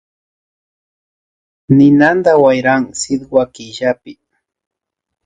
Ninanta wayran sitwa killapi